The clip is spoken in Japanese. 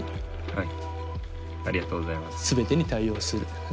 はい。